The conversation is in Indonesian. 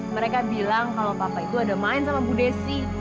mereka bilang kalau papa itu ada main sama bu desi